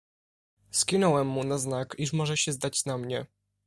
"Skinąłem mu na znak, iż może się zdać na mnie."